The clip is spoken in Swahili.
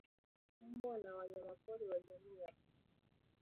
mbwa na wanyamapori wa jamii ya mbwa